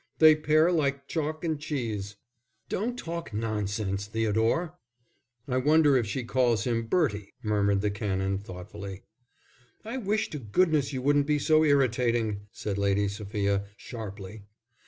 They pair like chalk and cheese." "Don't talk nonsense, Theodore!" "I wonder if she calls him Bertie," murmured the Canon, thoughtfully. "I wish to goodness you wouldn't be so irritating," said Lady Sophia, sharply.